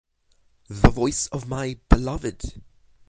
The voice of my beloved!